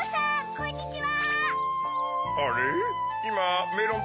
こんにちは